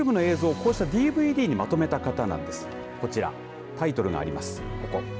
こうしたＤＶＤにまとめた方なんです、こちらタイトルがあります、ここ。